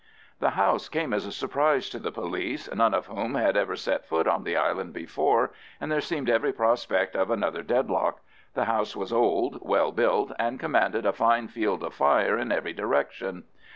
The house came as a surprise to the police, none of whom had ever set foot on the island before, and there seemed every prospect of another deadlock. The house was old, well built, and commanded a fine field of fire in every direction.